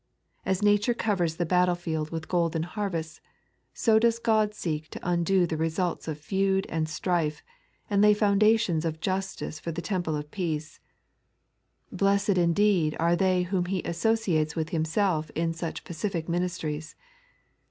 Aa nature covers the battlefield 3.n.iized by Google The Wobld's Hate. 31 with golden harveats, so does Ood seek to undo the resulte of feud aad strife, and lay foundations of justice for the temple of peace. BlesHed indeed are they whom He asso ciates with Himself in such pacific ministries.